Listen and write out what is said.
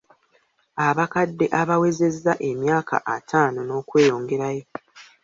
Abakadde abawezezza emyaka ataano n'okweyongerayo.